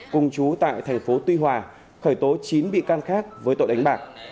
cùng chú tại thành phố tuy hòa khởi tố chín bị can khác với tội đánh bạc